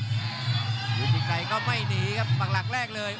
ยุติไกรก็ไม่หนีครับปากหลักแรกเลย